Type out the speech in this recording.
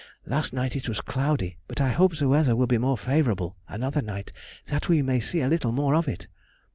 Last night it was cloudy, but I hope the weather will be more favourable another night, that we may see a little more of it.